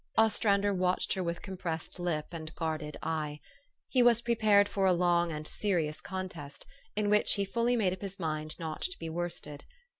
Ostrander watched her with compressed lip and guarded eye. He was prepared for a long and serious contest, in which he had fully made up his mind not to be worsted.